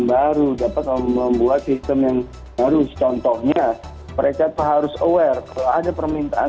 baru dapat membuat sistem yang baru contohnya perempat harus aware keadaan permintaan